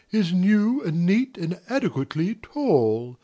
Is new and neat and adequately tall.